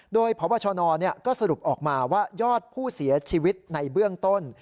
โดยพบชนก็สรุปออกมาว่ายอดผู้เสียชีวิตในเบื้องต้น